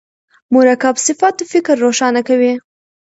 مرکب صفت فکر روښانه کوي.